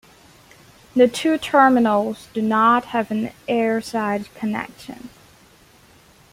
The two terminals do not have an airside connection.